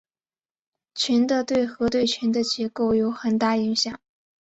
群的对合对群的结构有很大影响。